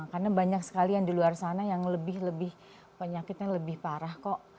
karena banyak sekali yang di luar sana yang lebih lebih penyakitnya lebih parah kok